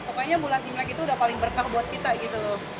pokoknya bulan imlek itu udah paling berkah buat kita gitu loh